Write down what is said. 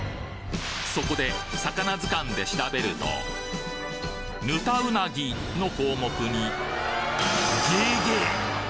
そこで魚図鑑で調べるとヌタウナギの項目にげげっ！